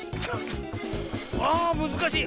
あむずかしい。